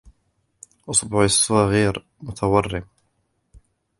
اصبعي الصغير متورم